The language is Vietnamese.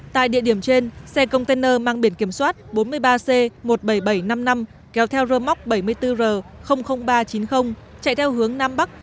tại địa điểm trên xe container mang biển kiểm soát bốn mươi ba c một mươi bảy nghìn bảy trăm năm mươi năm kéo theo rơ móc bảy mươi bốn r ba trăm chín mươi chạy theo hướng nam bắc